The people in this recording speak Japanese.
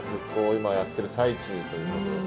今やってる最中ということですけど。